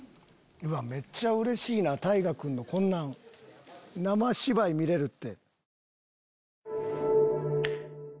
めっちゃうれしいな太賀君の生芝居見れるって。